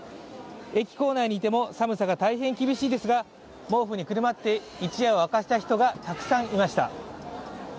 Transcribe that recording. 駅構内にいても寒さが大変厳しいですが毛布にくるまって一夜を明かした人がたくさんいました。